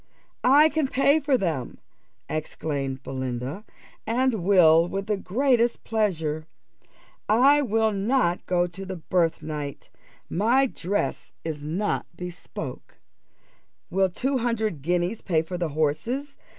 "I can pay for them," exclaimed Belinda, "and will with the greatest pleasure. I will not go to the birthnight my dress is not bespoke. Will two hundred guineas pay for the horses?